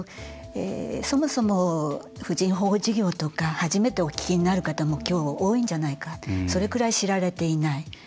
そもそも婦人保護事業とか初めてお聞きになる方もきょう、多いんじゃないかそれぐらい知られていない。